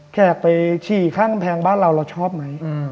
แขกไปฉี่ข้างกำแพงบ้านเราเราชอบไหม